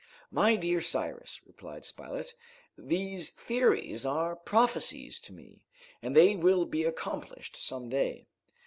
"My dear Cyrus," replied Spilett, "these theories are prophecies to me, and they will be accomplished some day."